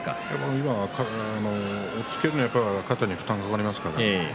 押っつけは肩に負担がかかりますからね。